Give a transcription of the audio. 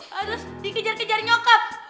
terus dikejar kejar nyokap